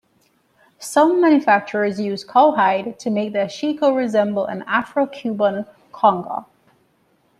Some manufacturers use cow hide to make the ashiko resemble an Afro-Cuban conga.